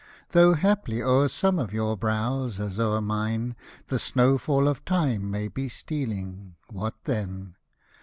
Though haply o'er some of your brows, as o'er mine. The snow fall of time may be stealing — what then